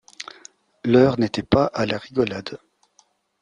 L’heure n’était pas à la rigolade.